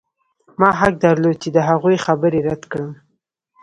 ما حق درلود چې د هغوی خبره رد کړم